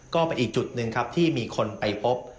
ก็เป็นอีกจุดหนึ่งครับที่มีคนไปพบ